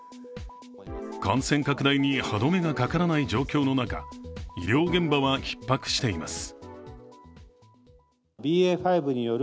感染拡大に歯止めがかからない状況の中、医療現場は、ひっ迫しています。